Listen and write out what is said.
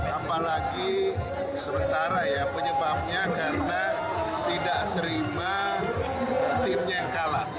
apalagi sementara ya penyebabnya karena tidak terima timnya yang kalah